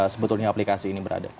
sebetulnya aplikasi ini berada